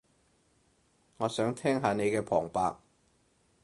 我想聽下你嘅旁白